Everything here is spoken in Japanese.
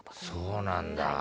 そうなんだ。